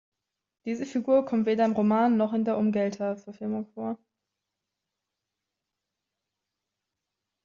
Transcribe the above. Diese Figur kommt weder im Roman noch in der Umgelter-Verfilmung vor.